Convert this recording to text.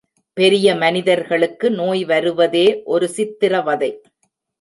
பெரிய மனிதர்களுக்கு நோய் வருவதே ஒரு சித்திரவதை!